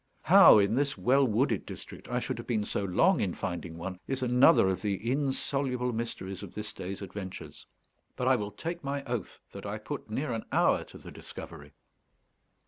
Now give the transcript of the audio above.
How, in this well wooded district, I should have been so long in finding one, is another of the insoluble mysteries of this day's adventures; but I will take my oath that I put near an hour to the discovery.